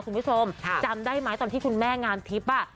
คุณผู้ชมจำได้ไหมตอนที่คุณแม่งามทิพย์อ่ะ